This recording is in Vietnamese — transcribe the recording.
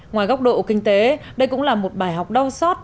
ngoài góc độ kinh tế đây cũng là một bài học đau sót